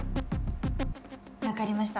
わかりました。